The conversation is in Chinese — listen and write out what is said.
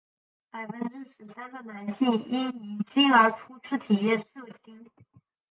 百分之十三的男性因遗精而初次体验射精。